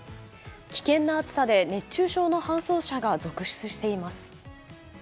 危険な暑さで熱中症の搬送者が続出しています。